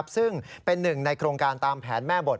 ซึ่งเป็นหนึ่งในโครงการตามแผนแม่บท